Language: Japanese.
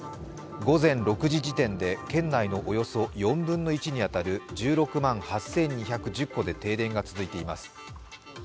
午前６時時点で県内のおよそ４分の１に当たる１６万８２１０戸で停電が続いています。